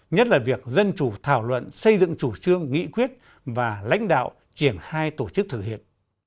nhất là việc dân chủ thảo luận xây dựng chủ trương nghị quyết và lãnh đạo triển hai tổ chức thực hiện